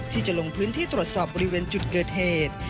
ที่จะลงพื้นที่ตรวจสอบบริเวณจุดเกิดเหตุ